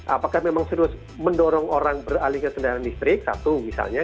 apakah memang serius mendorong orang beralih ke kendaraan listrik satu misalnya